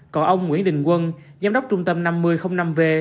còn ông nguyễn đình quân giám đốc trung tâm năm nghìn năm v